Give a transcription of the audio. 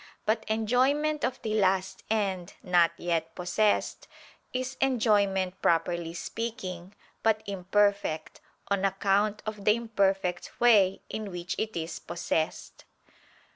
But enjoyment of the last end, not yet possessed, is enjoyment properly speaking, but imperfect, on account of the imperfect way in which it is possessed.